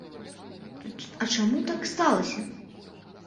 А чаму так сталася?